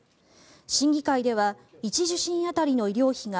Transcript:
審議会では１受診当たりの医療費が